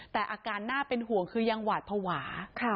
แต่อาการน่าเป็นห่วงคือยังหวาดภาวะ